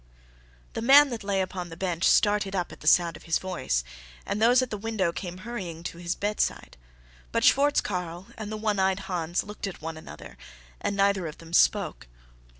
The man that lay upon the bench started up at the sound of his voice, and those at the window came hurrying to his bedside. But Schwartz Carl and the one eyed Hans looked at one another, and neither of them spoke.